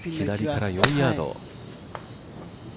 左から４ヤード。